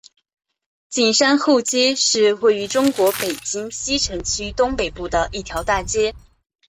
景山后街是位于中国北京市西城区东北部的一条大街。